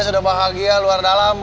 sudah bahagia luar dalam